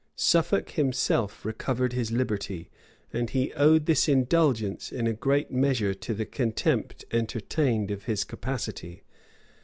Suffolk himself recovered his liberty; and he owed this indulgence, in a great measure, to the contempt entertained of his capacity.